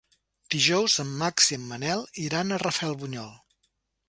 Dijous en Max i en Manel iran a Rafelbunyol.